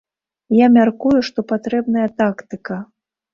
Я мяркую, што патрэбная тактыка.